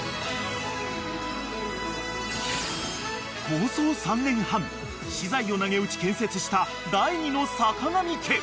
［構想３年半私財をなげうち建設した第２の坂上家］